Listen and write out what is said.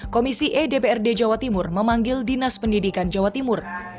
komisi edprd jawa timur memanggil dinas pendidikan jawa timur